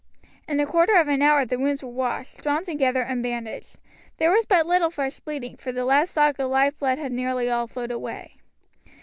In a quarter of an hour the wounds were washed, drawn together, and bandaged. There was but little fresh bleeding, for the lad's stock of life blood had nearly all flowed away.